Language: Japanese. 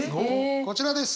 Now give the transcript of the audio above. こちらです。